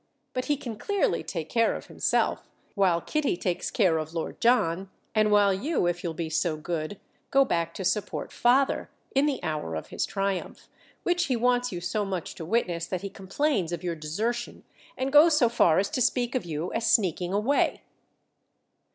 But he can clearly take care of himself, while Kitty takes care of Lord John, and while you, if you'll be so good, go back to support father—in the hour of his triumph: which he wants you so much to witness that he complains of your desertion and goes so far as to speak of you as sneaking away."